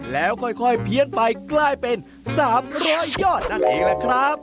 แล้วค่อยเพี้ยนไปใกล้เป็นสามรอยอดนั่นเองแหละครับ